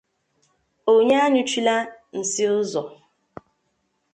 Onye anyụchila nsị ụzọ